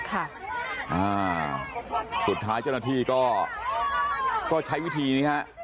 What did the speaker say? ค่ะอ่าสุดท้ายเจ้าหน้าที่ก็ใช้วิธีนี้ฮะ